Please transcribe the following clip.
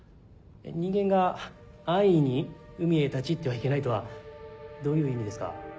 「人間が安易に海へ立ち入ってはいけない」とはどういう意味ですか？